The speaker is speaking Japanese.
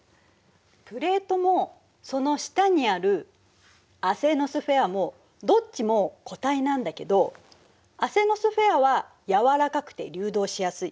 プレートもその下にあるアセノスフェアもどっちも固体なんだけどアセノスフェアは軟らかくて流動しやすい。